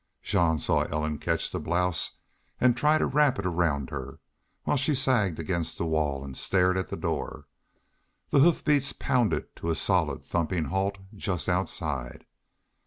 Jean saw Ellen catch the blouse and try to wrap it around her, while she sagged against the wall and stared at the door. The hoof beats pounded to a solid thumping halt just outside.